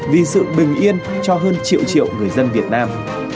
vì sự bình yên cho hơn triệu triệu người dân việt nam